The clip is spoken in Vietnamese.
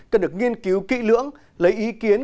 cần được nghiên cứu kỹ lưỡng lấy ý kiến